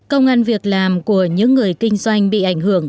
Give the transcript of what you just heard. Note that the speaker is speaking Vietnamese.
công an việc làm của những người kinh doanh bị ảnh hưởng